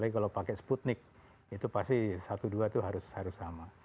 kalau pakai sputnik itu pasti satu dua itu harus sama